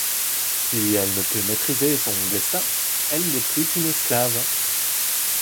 Si elle ne peut maitriser son destin, elle n'est plus qu'une esclave.